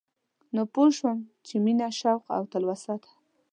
نو پوه شوم چې مينه شوق او تلوسه ده